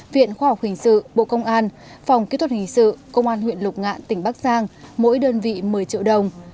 viện khoa học hình sự bộ công an phòng kỹ thuật hình sự công an huyện lục ngạn tỉnh bắc giang mỗi đơn vị một mươi triệu đồng